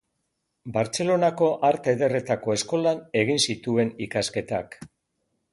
Bartzelonako Arte Ederretako Eskolan egin zituen ikasketak.